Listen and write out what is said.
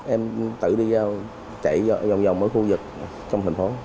em tự đi chạy vòng vòng mỗi khu vực trong thành phố